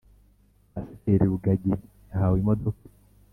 Pasiteri rugagi yahawe imodoka